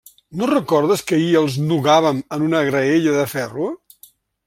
No recordes que ahir els nugàvem en una graella de ferro?